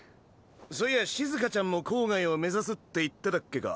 そういやシズカちゃんも郊外を目指すって言ってたっけか。